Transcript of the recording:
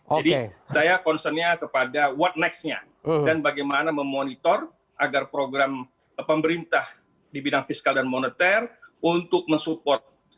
jadi saya concern nya kepada what next nya dan bagaimana memonitor agar program pemerintah di bidang fiskal dan moneter untuk mensupport